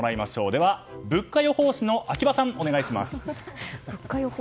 では、物価予報士の秋葉さんお願いします。